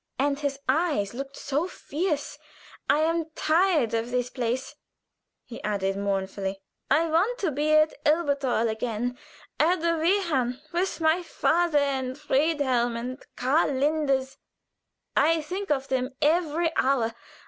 and his eyes looked so fierce. I'm tired of this place," he added, mournfully. "I want to be at Elberthal again at the Wehrhahn, with my father and Friedhelm and Karl Linders. I think of them every hour.